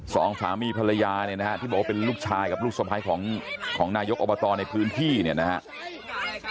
สองสามีภรรยาเนี่ยนะฮะที่บอกว่าเป็นลูกชายกับลูกสะพ้ายของนายกอบตในพื้นที่เนี่ยนะครับ